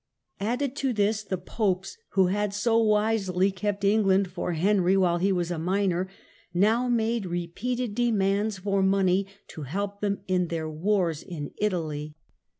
Added to this the ^^^K^ popes, who had so wisely kept England for *'^ Henry while he was a minor, now made repeated demands for money to help them in their wars in Italy.